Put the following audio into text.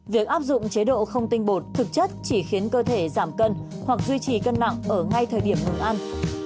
việc áp dụng chế độ không tinh bột thực chất chỉ khiến cơ thể giảm cân hoặc duy trì cân nặng ở ngay thời điểm ngừng ăn